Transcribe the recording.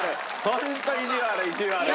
ホント意地悪意地悪。